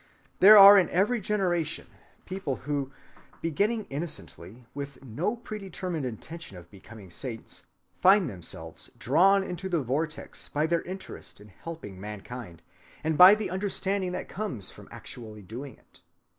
There are in every generation people who, beginning innocently, with no predetermined intention of becoming saints, find themselves drawn into the vortex by their interest in helping mankind, and by the understanding that comes from actually doing it.